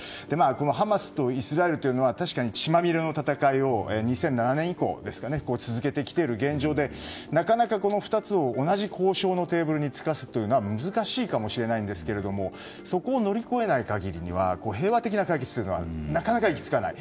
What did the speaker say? ハマスとイスラエルというのは血まみれの戦いを２００７年以降続けてきている現状でなかなかこの２つを同じ交渉のテーブルにつかせるというのは難しいかもしれないんですけどそこを乗り越えない限りは平和的な解決はなかなか行き着かない。